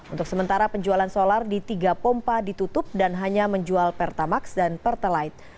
untuk sementara penjualan solar di tiga pompa ditutup dan hanya menjual pertamax dan pertalite